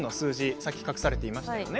さっき隠されていましたね。